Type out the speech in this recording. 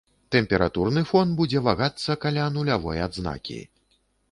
Тэмпературны фон будзе вагацца каля нулявой адзнакі.